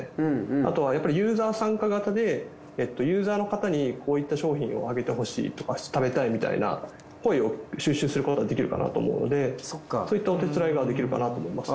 あとはやっぱりユーザー参加型でユーザーの方にこういった商品を挙げてほしいとか食べたいみたいなそういったお手伝いができるかなと思います。